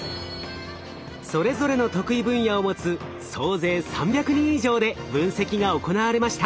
それぞれの得意分野を持つ総勢３００人以上で分析が行われました。